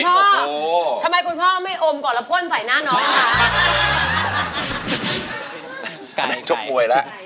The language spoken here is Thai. คุณพ่อทำไมคุณพ่อไม่อมกรพ่อใส่หน้าน้องค่ะ